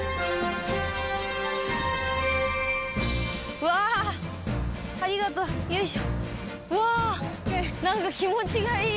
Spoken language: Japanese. うわありがとうよいしょ。